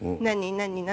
何？